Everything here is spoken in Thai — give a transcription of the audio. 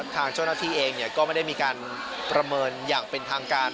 ทางเจ้าหน้าที่เองก็ไม่ได้มีการประเมินอย่างเป็นทางการ